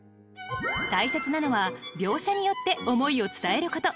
大切なのは描写によって思いを伝えること。